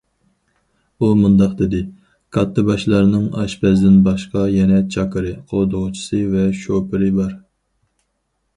ئۇ مۇنداق دېدى: كاتتىباشلارنىڭ ئاشپەزدىن باشقا يەنە چاكىرى، قوغدىغۇچىسى ۋە شوپۇرى بار.